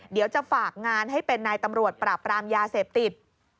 เดี๋ยวจะฝากงานให้เป็นนายตำรวจปราบรามยาเสพติด